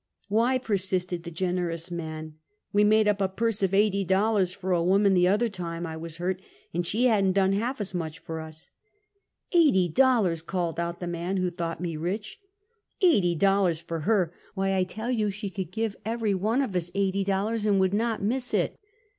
" "Why," persisted the generons man, "we made np a purse of eighty dollars for a woman t' other time I was hurt, and she hadn't done half as much for us! "" Eighty dollars !" called out the man who thought me rich; "eighty dollars for her! why I tell you she could give every one of us eighty dollars, and would not miss it!"